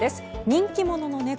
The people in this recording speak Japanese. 人気者の猫。